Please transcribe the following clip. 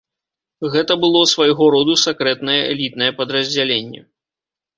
Гэта было свайго роду сакрэтнае элітнае падраздзяленне.